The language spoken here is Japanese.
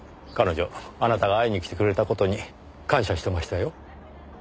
彼女あなたが会いにきてくれた事に感謝してましたよ。